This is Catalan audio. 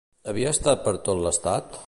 Havia estat per tot l'estat?